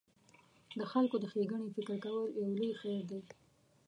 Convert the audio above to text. د خلکو د ښېګڼې فکر کول یو لوی خیر دی.